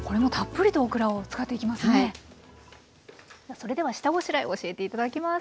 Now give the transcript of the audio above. それでは下ごしらえを教えて頂きます。